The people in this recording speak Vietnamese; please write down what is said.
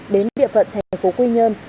đến địa phận tp quy nhơn